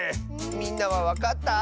みんなはわかった？